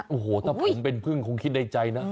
โอ้โหถ้าผมเป็นพึ่งคงคิดในใจนะ